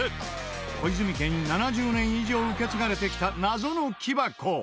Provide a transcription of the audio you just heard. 小泉家に７０年以上受け継がれてきた謎の木箱。